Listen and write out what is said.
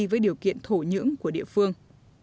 với điều kiện thổ nhưỡng của địa phương